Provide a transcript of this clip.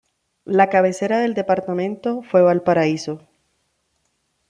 La cabecera del departamento fue Valparaíso.